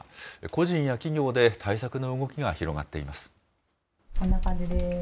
個人や企業で対策の動きが広がっています。